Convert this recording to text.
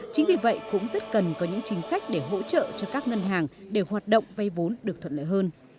chính vì vậy cũng rất cần có những chính sách để hỗ trợ cho các ngân hàng để hoạt động vay vốn được thuận lợi hơn